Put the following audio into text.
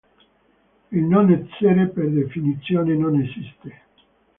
Il non-essere per definizione non esiste.